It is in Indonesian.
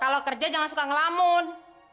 kalau kerja jangan suka ngelamun